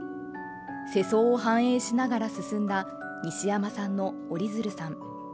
世相を反映しながら進んだ西山さんの「おり鶴さん」